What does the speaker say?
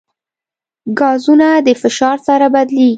ګازونه د فشار سره بدلېږي.